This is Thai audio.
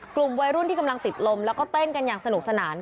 กลุ่มวัยรุ่นที่กำลังติดลมแล้วก็เต้นกันอย่างสนุกสนาน